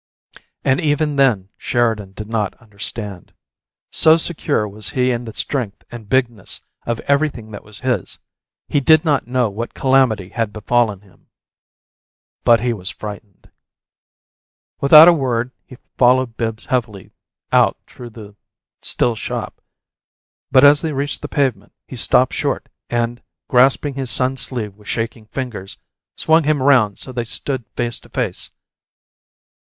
And even then Sheridan did not understand. So secure was he in the strength and bigness of everything that was his, he did not know what calamity had befallen him. But he was frightened. Without a word, he followed Bibbs heavily out throught the still shop, but as they reached the pavement he stopped short and, grasping his son's sleeve with shaking fingers, swung him round so that they stood face to face.